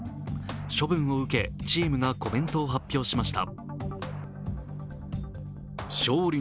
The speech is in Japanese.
処分を受け、チームがコメントを発表しました。